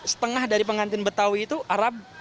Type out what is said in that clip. setengah dari pengantin betawi itu arab